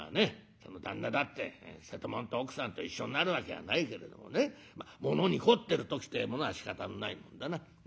その旦那だって瀬戸物と奥さんと一緒になるわけがないけれどもねものに凝ってる時ってえものはしかたのないもんだな。